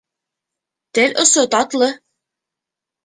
Тел осо татлы